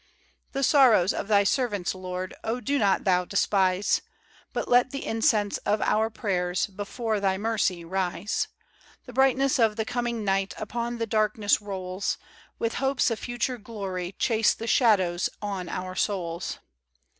The sorrows of Thy servants, Lord, O dp not Thou despise; But let the incense of our prayers Before Thy mercy rise, The brightness of the coming night Upon the darkness rolls ; With hopes of future glory chase The shadows on our souls.